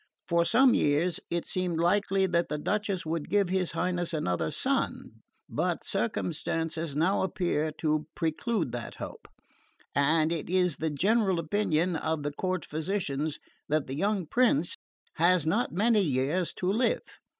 For some years it seemed likely that the Duchess would give his Highness another son; but circumstances now appear to preclude that hope; and it is the general opinion of the court physicians that the young prince has not many years to live."